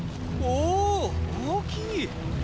おー大きい！